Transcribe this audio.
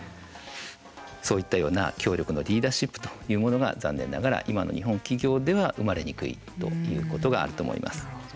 そういったような強力なリーダーシップというものが残念ながら、今の日本企業では生まれにくいということがあると思います。